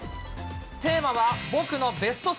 テーマは僕のベスト３。